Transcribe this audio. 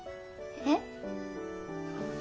えっ？